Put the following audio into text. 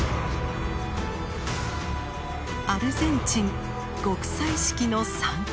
アルゼンチン極彩色の山塊。